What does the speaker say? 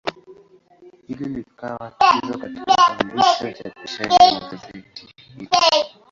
Hili likawa tatizo katika kuanzisha uchapishaji wa gazeti hili.